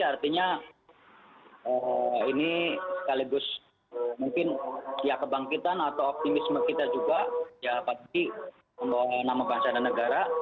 artinya ini sekaligus mungkin ya kebangkitan atau optimisme kita juga ya apalagi membawa nama bangsa dan negara